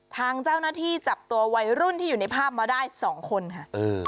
ทางเจ้าหน้าที่จับตัววัยรุ่นที่อยู่ในภาพมาได้๒คนค่ะ